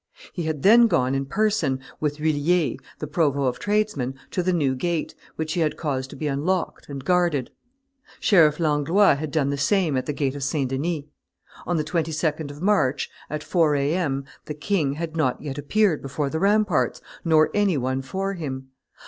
He had then gone in person, with L'Huillier, the provost of tradesmen, to the New Gate, which he had caused to be unlocked and guarded. Sheriff Langlois had done the same at the gate of St. Denis. On the 22d of March, at four A. M., the king had not yet appeared before the ramparts, nor any one for him.